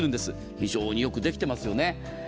非常によくできてますよね。